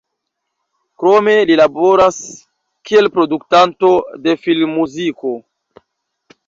Krome li laboras kiel produktanto de filmmuziko.